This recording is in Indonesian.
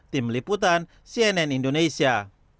tim liputan cnn indonesia